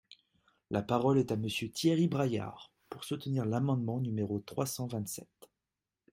La parole est à Monsieur Thierry Braillard, pour soutenir l’amendement numéro trois cent vingt-sept.